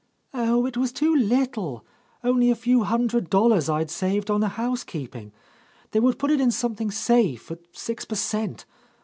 "Oh, it was too little! Only a few hundred dollars I'd saved on the housekeeping. They would put it into something safe, at six per cent.